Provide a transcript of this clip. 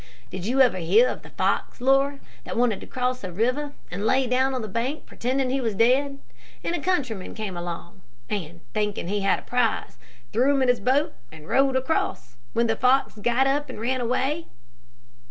Did you ever hear of the fox, Laura, that wanted to cross a river, and lay down on the bank pretending that he was dead, and a countryman came along, and, thinking he had a prize, threw him in his boat and rowed across, when the fox got up and ran away?"